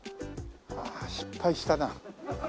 ああ失敗したな。